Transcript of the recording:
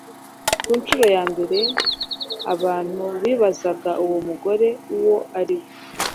Ku nshuro ya mbere, abantu bibazaga uwo mugore uwo ariwe